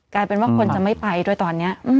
กลายเป็นว่าคนจะไม่ไปด้วยตอนนี้